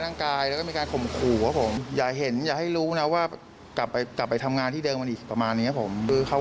นี่ปัญหาคือ